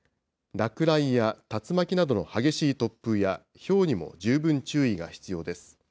落雷や竜巻などの激しい突風やひょうにも十分注意が必要です。